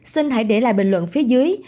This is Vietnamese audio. xin hãy để lại bình luận phía dưới